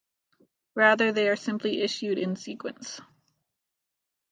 Rather, they are simply issued in sequence.